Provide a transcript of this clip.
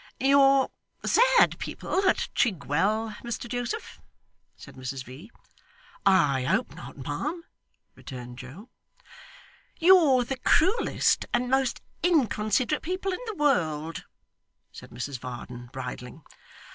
'You're sad people at Chigwell, Mr Joseph,' said Mrs V. 'I hope not, ma'am,' returned Joe. 'You're the cruellest and most inconsiderate people in the world,' said Mrs Varden, bridling.